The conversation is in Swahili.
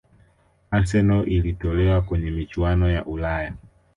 arsenal ilitolewa kwenye michuano ya ulaya